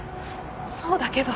そうだけど。